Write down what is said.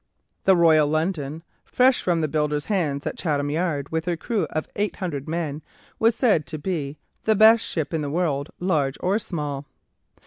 The "Loyal London," fresh from the builders' hands at Chatham yard, with her crew of eight hundred men, was said to be "the best ship in the world, large or small."